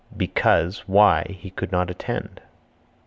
Because (why) he could not attend.